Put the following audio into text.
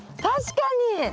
確かに！